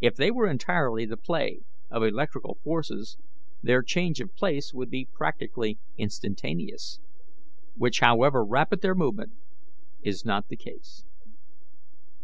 If they were entirely the play of electrical forces, their change of place would be practically instantaneous, which, however rapid their movement, is not the case."